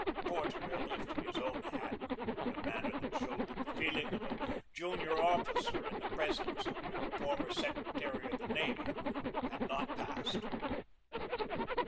Porter had lifted his own hat in a man ner that showed that the old feeling of a junior of ficer in the presence of a former secretary of the navy had not passed.